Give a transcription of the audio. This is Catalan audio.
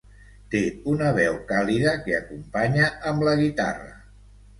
Té una veu càlida que acompanya amb la guitarra.